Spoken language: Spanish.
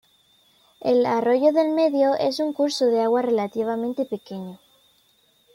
El Arroyo del Medio es un curso de agua relativamente pequeño.